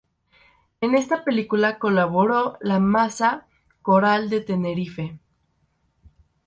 En esta película colaboró la Masa Coral de Tenerife.